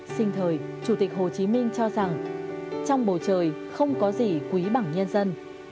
sinh thời chủ tịch hồ chí minh cho rằng trong bầu trời không có gì quý bằng nhân dân